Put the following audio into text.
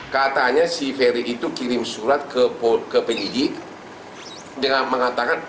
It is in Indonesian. katanya si ferry itu kirim surat ke penyidik dengan mengatakan